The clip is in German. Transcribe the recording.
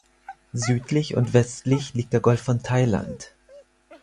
Südlich und westlich liegt der Golf von Thailand.